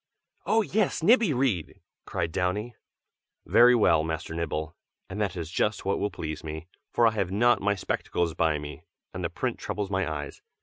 "Oh! yes, Nibby, read!" cried Downy. "Very well, Master Nibble, and that is just what will please me, for I have not my spectacles by me, and the print troubles my eyes.